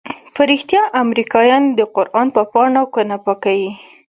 په رښتيا امريکايان د قران په پاڼو كونه پاكيي؟